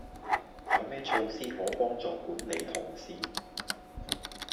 有咩措施可幫助管理同事？